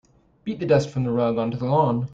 Beat the dust from the rug onto the lawn.